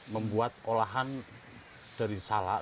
membuat olahan dari salak